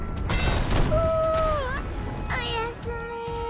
ふぁおやすみ。